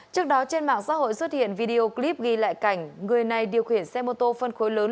trước đó trên mạng xã hội xuất hiện video clip ghi lại cảnh người này điều khiển xe mô tô phân khối lớn